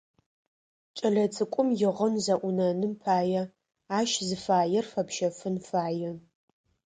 Кӏэлэцӏыкӏум игъын зэӏунэным пае, ащ зыфаер фэпщэфын фае.